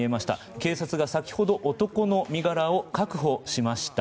警察が先ほど男の身柄を確保しました。